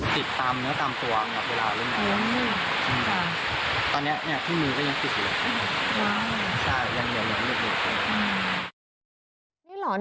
ติดตามเนื้อตามตัวเวลาเรื่องแบบนี้ตอนนี้ที่มือก็ยังติดอยู่ยังเหลวอยู่